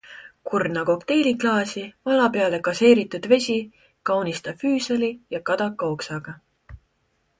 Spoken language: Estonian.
Kurna kokteiliklaasi, vala peale gaseeritud vesi, kaunista füüsali ja kadakaoksaga.